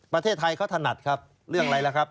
ประเทศไทยเขาถนัดครับเรื่องอะไรล่ะครับ